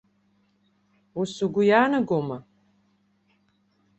Ус угәы иаанагома?